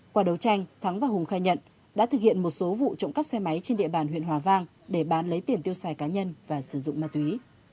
qua đấu tranh thắng và hùng khai nhận đã thực hiện một số vụ trộm cắp xe máy trên địa bàn huyện hòa vang để bán lấy tiền tiêu xài cá nhân và sử dụng ma túy